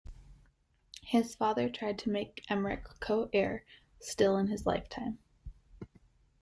His father tried to make Emeric co-heir still in his lifetime.